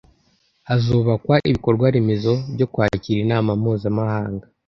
hazubakwa ibikorwaremezo byo kwakira inama mpuzamahanga